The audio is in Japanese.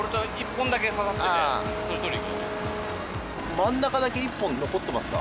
真ん中だけ１本残ってますか？